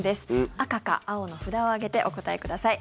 赤か、青の札を上げてお答えください。